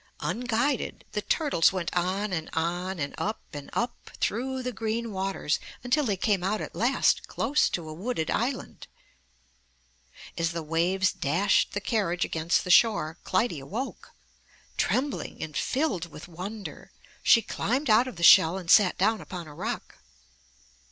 Unguided, the turtles went on and on and up and up, through the green waters, until they came out at last close to a wooded island. As the waves dashed the carriage against the shore, Clytie awoke. Trembling and filled with wonder she climbed out of the shell and sat down upon a rock.